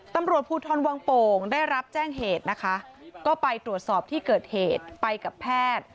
ตำรวจภูทรวังโป่งได้รับแจ้งเหตุนะคะก็ไปตรวจสอบที่เกิดเหตุไปกับแพทย์